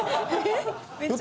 えっ！？